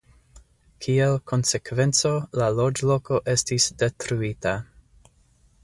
Kiel konsekvenco la loĝloko estis detruita.